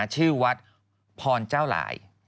ชื่อวัดพรเจ้าหลาย